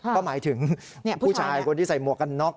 ก็หมายถึงผู้ชายคนที่ใส่หมวกกันน็อก